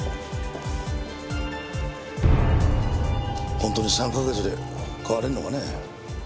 本当に３カ月で変われるのかね？